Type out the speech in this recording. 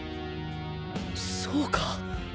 そうか